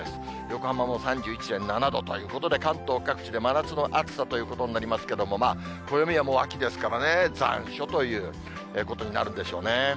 横浜も３１．７度ということで、関東各地で真夏の暑さということになりますけども、暦はもう秋ですからね、残暑ということになるんでしょうね。